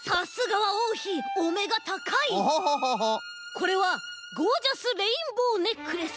これはゴージャスレインボーネックレス。